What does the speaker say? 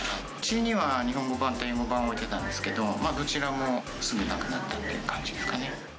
日本語版と英語版を置いてたんですけども、どちらもすぐなくなったという感じですかね。